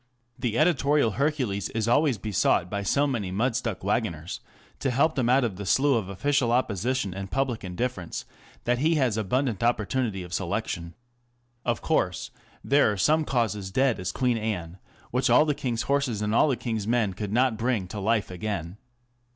The editorial Hercules is always besought by so many mud stuck waggoners to help them out of the slough of official opposition and public indifference, that he has abundant opportunity of selection. Of course, there are some causes dead as Queen Anne, which all the king's horses and all the king's men could not bring to life again.